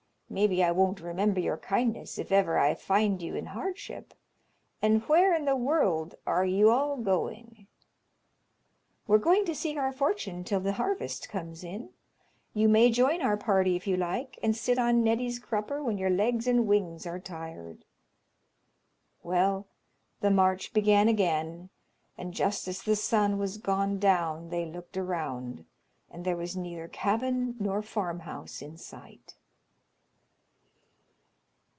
Maybe I won't remember your kindness if ever I find you in hardship; and where in the world are you all going?" "We're going to seek our fortune till the harvest comes in; you may join our party if you like, and sit on Neddy's crupper when your legs and wings are tired." Well, the march began again, and just as the sun was gone down they looked around, and there was neither cabin nor farm house in sight.